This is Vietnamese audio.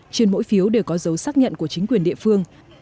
trên mỗi phiếu đều có dấu xác nhận của chính quyền địa phương